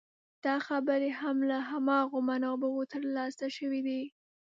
دا خبرې هم له هماغو منابعو تر لاسه شوې دي.